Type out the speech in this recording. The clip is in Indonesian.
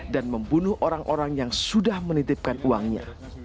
membunuh orang orang yang sudah menitipkan uangnya